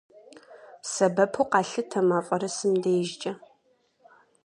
Сэбэпу къалъытэ мафӏэрысым дежкӏэ.